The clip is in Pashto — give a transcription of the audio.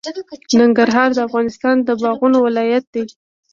ننګرهار د افغانستان د باغونو ولایت دی.